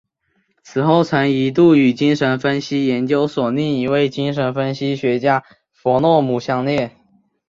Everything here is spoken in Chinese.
此后曾一度与精神分析研究所另一位精神分析学家弗洛姆相恋。